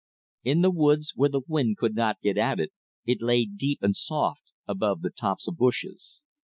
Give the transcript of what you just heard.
In the woods where the wind could not get at it, it lay deep and soft above the tops of bushes.